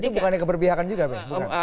itu bukannya keberbiakan juga bang